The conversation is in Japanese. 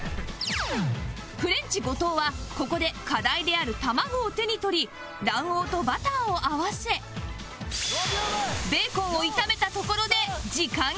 フレンチ後藤はここで課題である卵を手に取り卵黄とバターを合わせベーコンを炒めたところで時間切れ